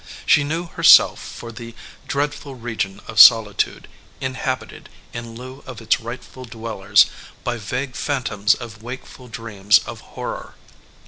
She knew herself for the dreadful region of solitude, inhabited, in lieu of its rightful dwell ers, by vague phantoms of wakeful dreams of hor ror.